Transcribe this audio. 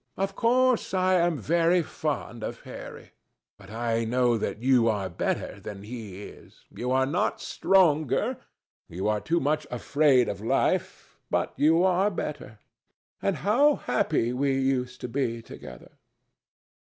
Of course, I am very fond of Harry. But I know that you are better than he is. You are not stronger—you are too much afraid of life—but you are better. And how happy we used to be together!